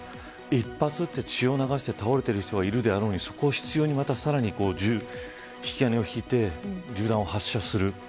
１発撃って血を流して倒れている人がいるであろうに執拗に引き金を引いて銃弾を発射する。